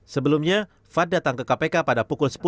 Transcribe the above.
sebelumnya fad datang ke kpk pada pukul sepuluh